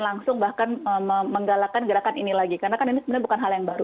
langsung bahkan menggalakkan gerakan ini lagi karena kan ini sebenarnya bukan hal yang baru